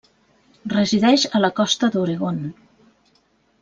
Resideix a la Costa d'Oregon.